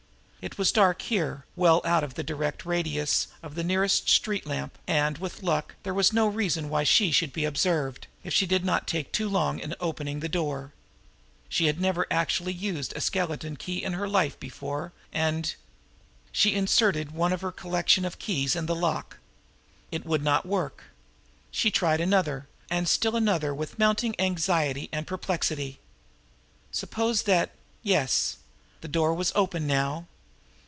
It was dark here, well out of the direct radius of the nearest street lamp, and, with luck, there was no reason why she should be observed if she did not take too long in opening the door! She had never actually used a skeleton key in her life before, and... She inserted one of her collection of keys in the lock. It would not work. She tried another, and still another with mounting anxiety and perplexity. Suppose that yes! The door was open now!